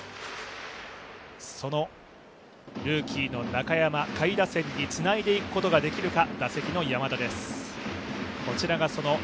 そのルーキーの中山、下位打線につないでいくことができるか。